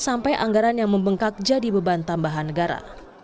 sampai anggaran yang membengkak jadi beban tambahan negara